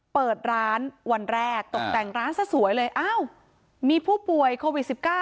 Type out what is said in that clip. เปิดร้านวันแรกตกแต่งร้านซะสวยเลยอ้าวมีผู้ป่วยโควิด๑๙